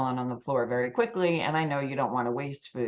itinya hal yang hanya terjadi waktu